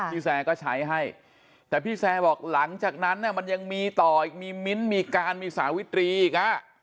แซร์ก็ใช้ให้แต่พี่แซร์บอกหลังจากนั้นมันยังมีต่ออีกมีมิ้นท์มีการมีสาวิตรีอีกอ่ะ